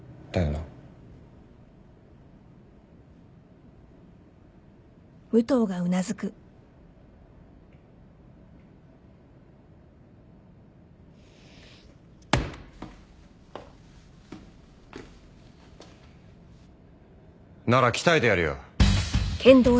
なら鍛えてやるよ。